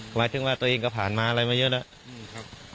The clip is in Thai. หมายถึงว่าตัวเองก็ผ่านมาอะไรมาเยอะแล้ว